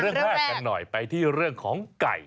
เรื่องแรกกันหน่อยไปที่เรื่องของไก่